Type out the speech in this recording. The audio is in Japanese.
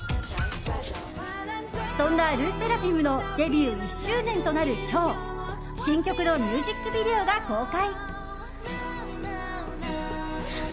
そんなＬＥＳＳＥＲＡＦＩＭのデビュー１周年となる今日新曲のミュージックビデオが公開。